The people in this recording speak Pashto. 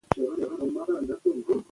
خپل تشویشونه په کاغذ باندې ولیکئ.